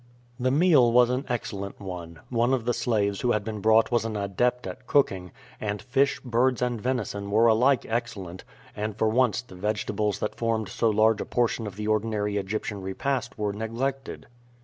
The meal was an excellent one. One of the slaves who had been brought was an adept at cooking, and fish, birds, and venison were alike excellent, and for once the vegetables that formed so large a portion of the ordinary Egyptian repast were neglected.